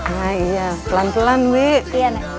nah iya pelan pelan wih